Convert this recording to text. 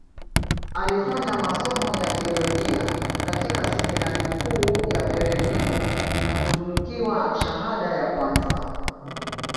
Alifanya masomo ya Teolojia katika seminari kuu ya peremiho na kutunukiwa shahada ya kwanza